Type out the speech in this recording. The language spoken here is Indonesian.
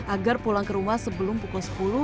agar pulang ke rumah sebelum pukul sepuluh